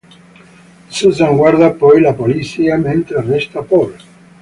Susan guarda poi la polizia mentre arresta Paul.